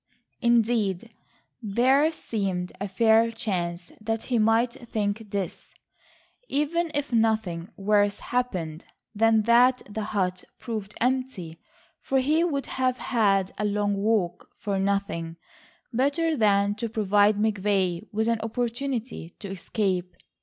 Indeed, there seemed a fair chance that he might think this even if nothing worse happened than that the hut proved empty, for he would have had a long walk for nothing better than to provide McVay with an opportunity to escape.